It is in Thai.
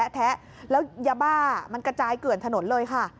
แท้แล้วยาบ้ามันกระจายเกลื่อนถนนเลยค่ะ